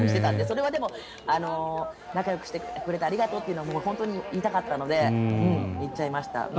それはでも、仲よくしてくれてありがとうというのは本当に言いたかったので言っちゃいました。